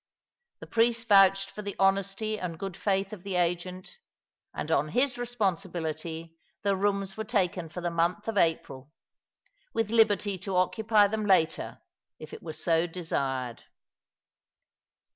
The priest vouched for the honesty and good faith of the agent, and on his responsibility the rooms were taken for the month of April, with liberty to occupy them later if it were so desired.